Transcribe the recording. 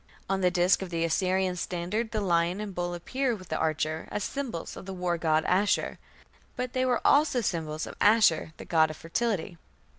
On the disk of the Assyrian standard the lion and the bull appear with "the archer" as symbols of the war god Ashur, but they were also symbols of Ashur the god of fertility.